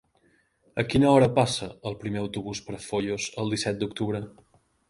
A quina hora passa el primer autobús per Foios el disset d'octubre?